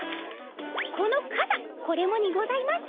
このかさこれもにございます。